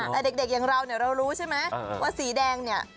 แต่เด็กอย่างเราเนี่ยเรารู้ใช่ไหมว่าสีแดงเนี่ย